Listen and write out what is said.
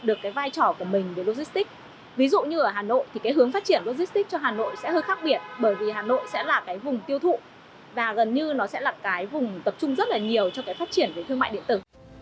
bởi vì hà nội sẽ là vùng tiêu thụ và gần như nó sẽ là vùng tập trung rất nhiều cho phát triển thương mại điện tử